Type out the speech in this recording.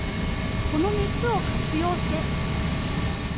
この熱を活用して。